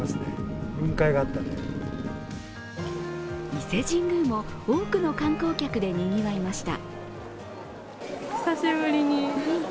伊勢神宮も多くの観光客でにぎわいました。